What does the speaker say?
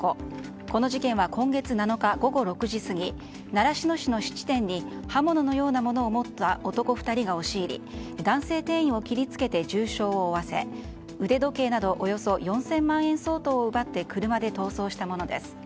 この事件は今月７日午後６時過ぎ習志野市の質店に刃物のようなものを持った男２人が押し入り男性店員を切りつけて重傷を負わせ腕時計などおよそ４０００万円相当を奪って車で逃走したものです。